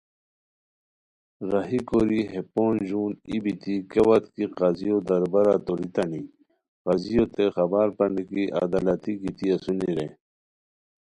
راہی کوری ہے پونج ژون ای بیتی کیاوت کی قاضیو دربارہ توریتانی قاضیوتے خبر پرانی کی عدالتی گیتی اسونی رے